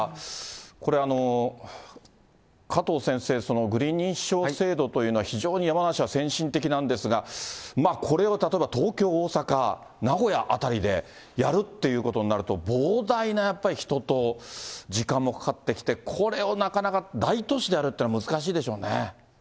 これ、加藤先生、グリーン認証制度というのは非常に山梨は先進的なんですが、これを例えば東京、大阪、名古屋辺りでやるっていうことになると、膨大なやっぱり人と時間もかかってきて、これをなかなか大都市でやるっていうのは難しいでしょうね。